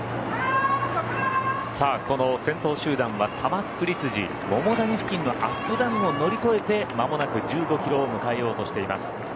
この先頭集団は玉造筋桃谷付近のアップダウンを乗り越えて間もなく１５キロを迎えようとしています。